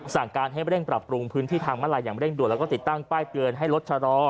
สั่งการให้เร่งปรับปรุงพื้นที่ทางมาลายอย่างเร่งด่วนแล้วก็ติดตั้งป้ายเตือนให้รถชะลอ